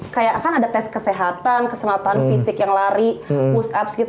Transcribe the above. kayak kan ada tes kesehatan keselamatan fisik yang lari push ups gitu